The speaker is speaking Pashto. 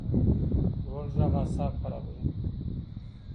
لوړ غږ اعصاب خرابوي